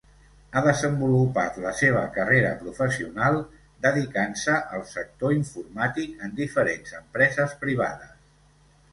Ha desenvolupat la seva carrera professional dedicant-se al sector informàtic en diferents empreses privades.